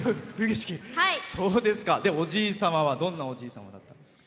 おじい様はどんなおじい様なんですか？